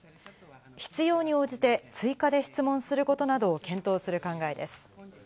必要に応じて追加で質問することなどを検討する考えです。